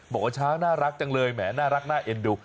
บอกว่าช้างน่ารักจังเลยแหมน่ารักน่าเอ็นดู